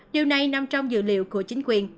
điều này nằm trong dự liệu của chính quyền